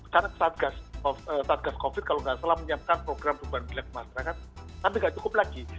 karena saat gas covid kalau tidak salah menyatakan program perubahan pilihan masyarakat tapi tidak cukup lagi